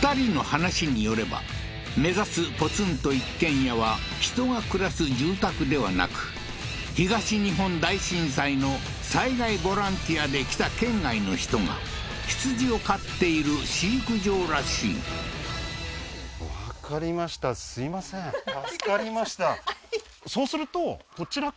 ２人の話によれば目指すポツンと一軒家は人が暮らす住宅ではなく東日本大震災の災害ボランティアで来た県外の人が羊を飼っている飼育場らしいとにかくまっすぐあっ一本道？